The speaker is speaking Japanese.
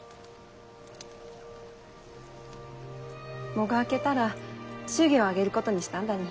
喪が明けたら祝言を挙げることにしたんだに。